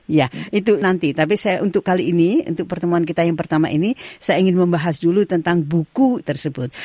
iya itu nanti tapi untuk pertemuan kita yang pertama ini saya ingin membahas dulu tentang buku tersebut